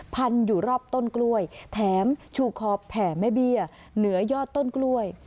พันอยู่รอบต้นกล้วยแถมชูคอแผ่แม่เบี้ยเหนือยอดต้นกล้วย